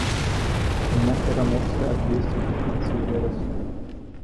Імя пераможцы абвесцяць у канцы верасня.